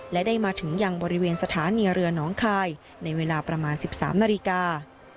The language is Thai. และได้มาถึงยังบริเวณสถานีเรือน้องคายในเวลาประมาณ๑๓นาฬิกา